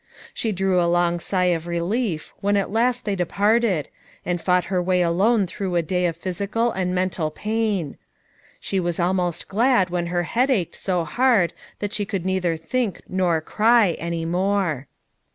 She drew a long High of rciliof when at hint they departed, and fought Iior way alone through a day of phynical and menial pain; alio wan alrnoHl glad when her head ached ho laird that ahe could neither think, nor cry, any more.